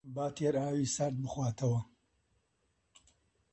با تێر ئاوی سارد بخواتەوە